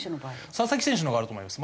佐々木選手のほうがあると思います。